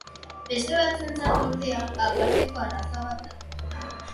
Beste batzuentzat ordea aparteko arraza bat da.